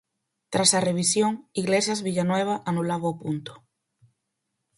Tras a revisión, Iglesias Villanueva anulaba o punto.